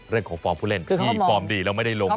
ฟอร์มผู้เล่นที่ฟอร์มดีแล้วไม่ได้ลง